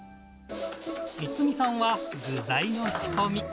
逸美さんは具材の仕込み。